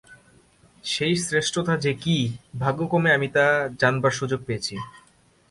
সেই শ্রেষ্ঠতা যে কী, ভাগ্যক্রমে আমি তা জানবার সুযোগ পেয়েছি।